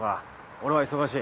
俺は忙しい。